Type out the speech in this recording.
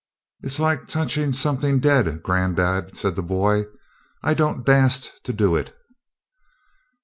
"It's like touchin' somethin' dead, granddad," said the boy. "I don't dast to do it!"